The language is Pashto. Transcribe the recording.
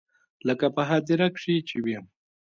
لکه په هديره کښې چې وي.